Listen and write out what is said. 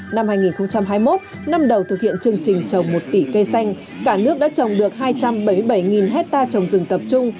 năm hai nghìn hai mươi một năm đầu thực hiện chương trình trồng một tỷ cây xanh cả nước đã trồng được hai trăm bảy mươi bảy hectare trồng rừng tập trung